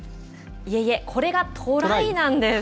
いえいえ、これがトライなんです。